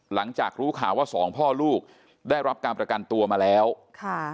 หลังจากรู้ข่าวว่าสองพ่อลูกได้รับการประกันตัวมาแล้วค่ะ